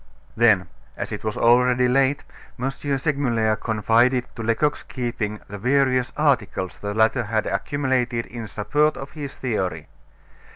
Then, as it was already late, M. Segmuller confided to Lecoq's keeping the various articles the latter had accumulated in support of his theory.